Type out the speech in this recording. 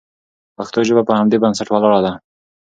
پښتو ژبه په همدې بنسټ ولاړه ده.